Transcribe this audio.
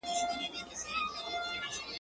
بې نصيبه خواړه گران دي.